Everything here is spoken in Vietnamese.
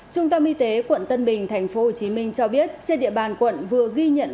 trung tâm y tế quận tân bình tp hcm cho biết trên địa bàn quận vừa ghi nhận